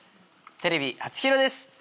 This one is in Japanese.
テレビ初披露です。